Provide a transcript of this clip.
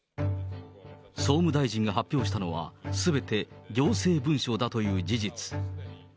総務大臣が発表したのは、すべて行政文書だという事実。